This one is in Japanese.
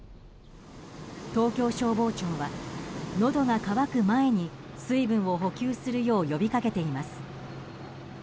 東京消防庁は、のどが渇く前に水分を補給するよう呼びかけています。